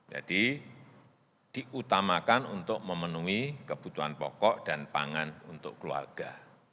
jadi diutamakan untuk memenuhi kebutuhan pokok dan pangan untuk keluarga